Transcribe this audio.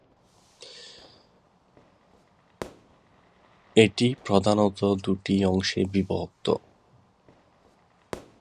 এটি প্রধানত দুটি অংশে বিভক্ত।